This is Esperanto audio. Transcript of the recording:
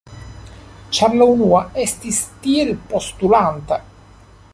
Ĉar la unua estis tiel postulanta.